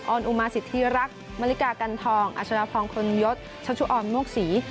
อนอุมาสิทธิรักษ์มริกากันทองอัชรพรยศชัชชุออมนวกศรี